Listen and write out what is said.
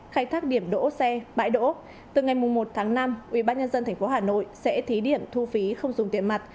khai thác điểm đỗ xe bãi đỗ từ ngày một tháng năm ủy ban nhân dân tp hà nội sẽ thí điểm thu phí không dùng tiền mặt